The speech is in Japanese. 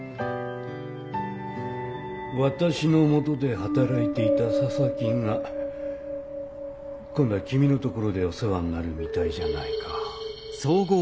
私のもとで働いていた佐々木が今度は君のところでお世話になるみたいじゃないか。